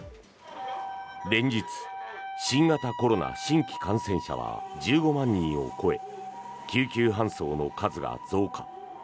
連日、新型コロナ新規感染者は１５万人を超え救急搬送の数が増加。